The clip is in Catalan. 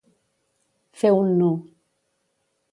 Fer un nu.